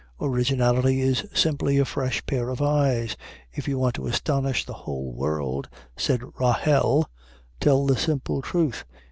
Originality is simply a fresh pair of eyes. If you want to astonish the whole world, said Rahel, tell the simple truth.